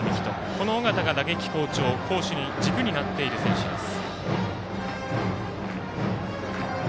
この尾形が打撃好調攻守で軸になっている選手です。